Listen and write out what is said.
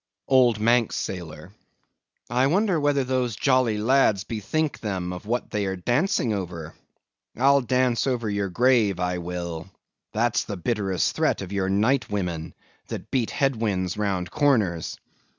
OLD MANX SAILOR. I wonder whether those jolly lads bethink them of what they are dancing over. I'll dance over your grave, I will—that's the bitterest threat of your night women, that beat head winds round corners.